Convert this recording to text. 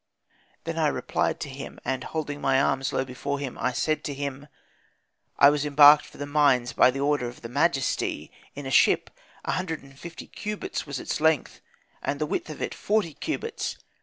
"Then I replied to him, and holding my arms low before him, I said to him,' I was embarked for the mines by the order of the majesty, in a ship, 150 cubits was its length, and the width of it 40 cubits.